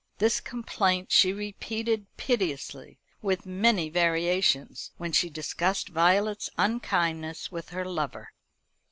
This complaint she repeated piteously, with many variations, when she discussed Violet's unkindness with her lover.